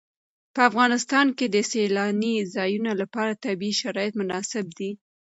په افغانستان کې د سیلانی ځایونه لپاره طبیعي شرایط مناسب دي.